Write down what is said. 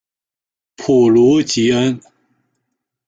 普卢吉恩。